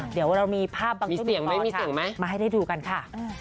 เดี๋ยวเรามีภาพบางทุกคนต่อค่ะมาให้ได้ดูกันค่ะ